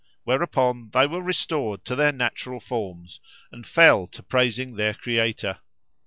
whereupon they were restored to their natural forms and fell to praising their Creator.